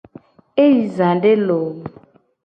E yi zade loo.